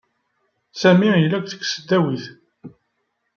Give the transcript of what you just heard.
Sami yella deg tesdawit.